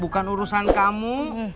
bukan urusan kamu